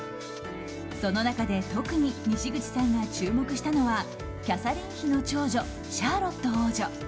その中で特ににしぐちさんが注目したのはキャサリン妃の長女シャーロット王女。